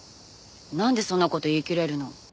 なんでそんな事言い切れるの？